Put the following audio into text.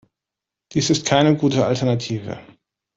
Dies ist keine gute Alternative.